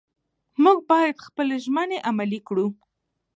موږ باید خپلې ژمنې عملي کړو